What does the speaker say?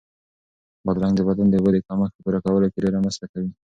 بادرنګ د بدن د اوبو د کمښت په پوره کولو کې ډېره مرسته کوي.